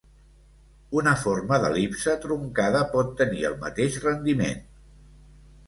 Una forma d'el·lipse truncada pot tenir el mateix rendiment.